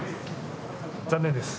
残念です。